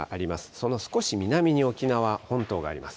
その少し南に沖縄本島があります。